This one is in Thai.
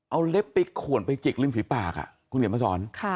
เอาเล็บปิกขวนไปจิกริ้งผีปากอะคุณเดี๋ยวมาสอน